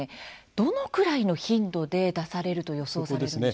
どのくらいの頻度で出されると予想されるんでしょうか？